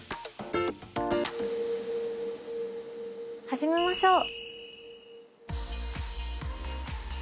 始めましょう。